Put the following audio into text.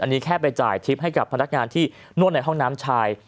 อันนี้แค่ไปจ่ายทริปให้กับพนักงานที่นวดในห้องน้ำชาย